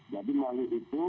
jadi melalui itu